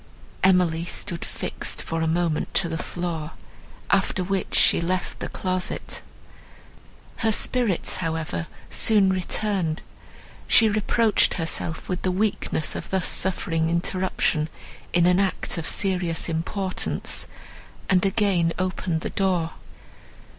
Emily stood fixed for a moment to the floor, after which she left the closet. Her spirits, however, soon returned; she reproached herself with the weakness of thus suffering interruption in an act of serious importance, and again opened the door.